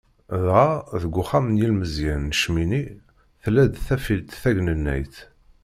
Dɣa deg Uxxam n yilmeẓyen n Cemmini, tella-d tafilt tagnennayt.